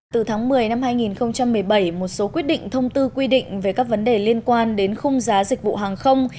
từ tháng một mươi năm hai nghìn một mươi bảy một số quyết định thông tư quy định về các vấn đề liên quan đến khung giá dịch vụ hàng không